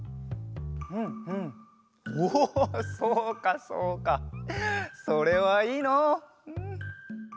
うんうんおおそうかそうかそれはいいのう。